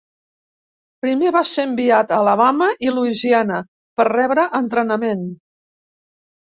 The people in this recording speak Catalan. Primer va ser enviat a Alabama i Louisiana per rebre entrenament.